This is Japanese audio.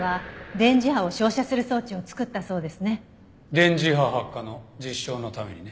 電磁波発火の実証のためにね。